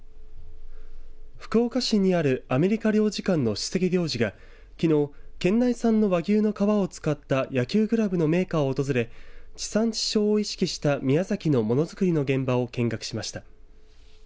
福岡市にあるアメリカ領事館の首席領事がきのう県内産の和牛の革を使った野球グラブのメーカーを訪れ地産地消を意識した宮崎のものづくりの現場を見学しました。